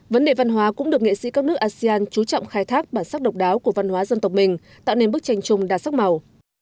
vấn đề văn hóa cũng được nghệ sĩ các nước asean chú trọng khai thác bản sắc độc đáo của văn hóa dân tộc mình tạo nên bức tranh chung đạt sắc màu